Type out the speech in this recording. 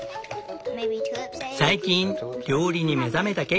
最近料理に目覚めたケイティ。